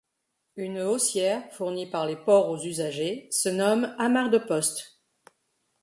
Une aussière fournie par les ports aux usagers se nomme amarre de poste.